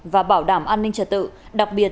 và bảo đảm an ninh trật tự đặc biệt